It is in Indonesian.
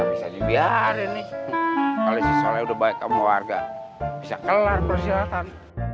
bisa juga ini kalau sudah baik kamu warga bisa kelar persyaratan